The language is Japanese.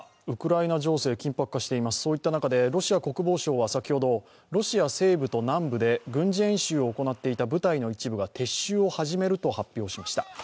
ウクライナ情勢、緊迫化していますそういった中でロシア国防省は先ほど、ロシア西部と南部で軍事演習を行っていた部隊の一部が撤収を始めると発表しました。